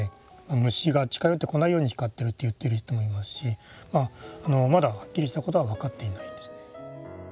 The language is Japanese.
虫が近寄ってこないように光ってるって言ってる人もいますしまだはっきりしたことは分かっていないんですね。